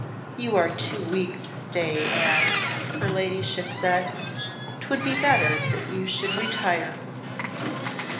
"You are too weak to stay, Anne," her ladyship said. "'Twould be better that you should retire."